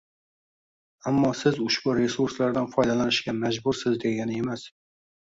Ammo siz ushbu resurslardan foydalanishga majbursiz degani emas.